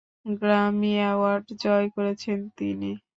Grammy award জয় করেছেন তিনি।